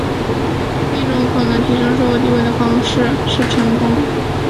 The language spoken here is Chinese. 另一种可能提升社会地位的方式是由于特殊的军事或商业上的成功。